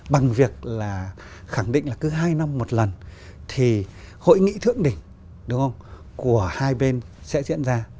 bằng việc là khẳng định là cứ hai năm một lần thì hội nghị thượng đỉnh đúng không của hai bên sẽ diễn ra